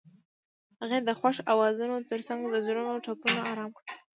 هغې د خوښ اوازونو ترڅنګ د زړونو ټپونه آرام کړل.